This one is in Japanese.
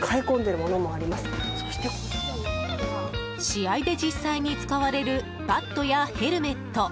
試合で実際に使われるバットやヘルメット。